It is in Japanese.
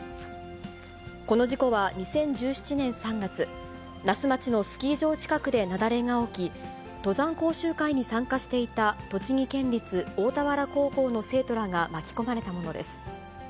この事故は２０１７年３月、那須町のスキー場近くで雪崩が起き、登山講習会に参加していた、栃木県立大田原高校の生徒らが巻き込まれたものです。